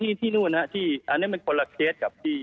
อันนี้เป็นคนและเคส